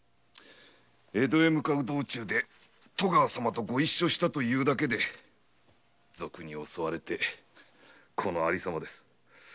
江戸へ向かう道中で戸川様とご一緒したというだけで賊に襲われてこの有様です。